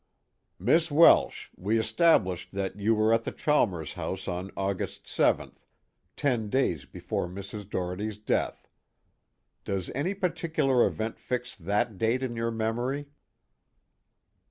"Miss Welsh, we established that you were at the Chalmers house on August 7th, ten days before Mrs. Doherty's death. Does any particular event fix that date in your memory?"